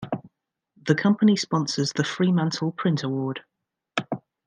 The Company sponsors the Fremantle Print Award.